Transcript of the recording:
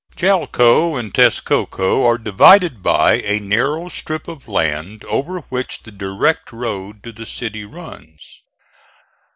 Chalco and Texcoco are divided by a narrow strip of land over which the direct road to the city runs.